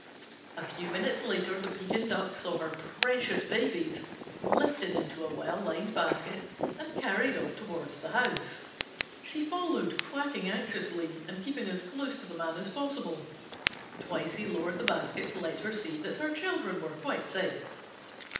A few minutes later the Pekin Duck saw her precious babies lifted into a well lined basket and carried off toward the house. She followed, quacking anxiously, and keeping as close to the Man as possible. Twice he lowered the basket to let her see that her children were quite safe.